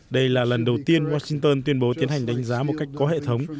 đây là lần đầu tiên washington tuyên bố tiến hành đánh giá một cách có hệ thống